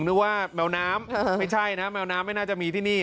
นึกว่าแมวน้ำไม่ใช่นะแมวน้ำไม่น่าจะมีที่นี่